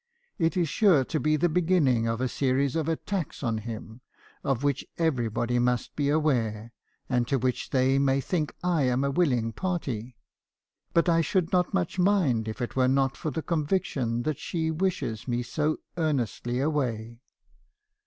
It is sure to be the beginning of a Lime Leigh. 20 306 me. haebison's confessions. series of attacks on him , of which everybody must be aware, and to which they may think I am a willing party. But I should not much mind if it were not for the conviction that she wishes me so earnestly away.